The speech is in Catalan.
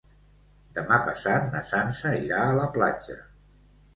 Demà passat na Sança irà a la platja.